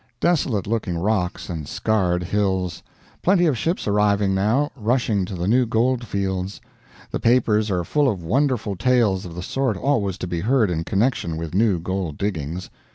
Desolate looking rocks and scarred hills. Plenty of ships arriving now, rushing to the new gold fields. The papers are full of wonderful tales of the sort always to be heard in connection with new gold diggings.